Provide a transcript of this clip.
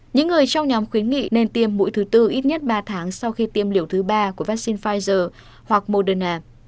những người trong nhóm khuyến nghị nên tiêm mũi thứ tư ít nhất ba tháng sau khi tiêm liều thứ ba của vaccine pfizer hoặc moderna